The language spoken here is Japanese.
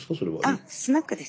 あスナックです。